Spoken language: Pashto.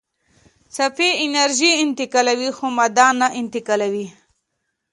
څپې انرژي انتقالوي خو ماده نه انتقالوي.